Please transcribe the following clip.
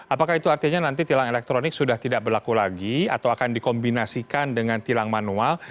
apakah itu artinya nanti tilang elektronik sudah tidak berlaku lagi atau akan dikombinasikan dengan tilang manual